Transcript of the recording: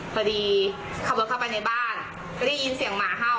พอดีขับรถเข้าไปในบ้านก็ได้ยินเสียงหมาเห่า